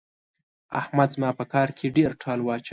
احمد زما په کار کې ډېر ټال واچاوو.